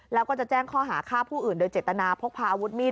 แล้วก็จะแจ้งข้อหาฆ่าผู้อื่นโดยเจตนาพกพาอาวุธมีด